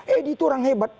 edi itu orang hebat